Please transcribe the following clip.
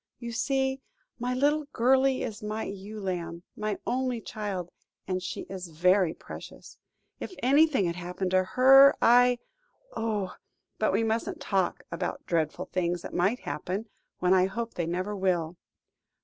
You see, my little girlie is my ewe lamb my only child and she is very precious. If anything had happened to her, I oh! but we mustn't talk about dreadful things that might happen, when I hope they never will.